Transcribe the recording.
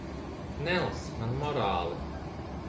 Nelasi man morāli.